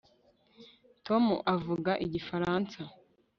tom avuga igifaransa